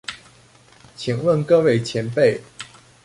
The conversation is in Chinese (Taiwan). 請問各位前輩